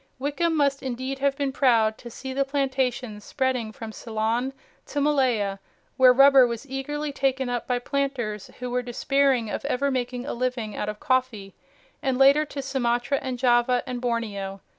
Wickham must indeed have been proud to see the plantations spreading from Ceylon to Malaya, where rubber was eagerly taken up by planters who were despairing of ever making a living out of coffee, and later to Sumatra and Java and Borneo.